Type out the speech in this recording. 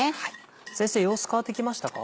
先生様子変わってきましたか？